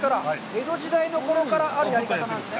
江戸時代のころからあるやり方なんですね。